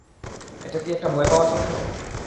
এটা কি একটা ভয় পাওয়ার স্বপ্ন?